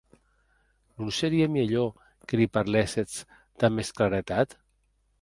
Non serie mielhor que li parléssetz damb mès claretat?